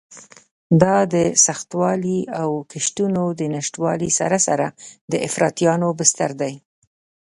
دا د سختوالي او کښتونو د نشتوالي سره سره د افراطیانو بستر دی.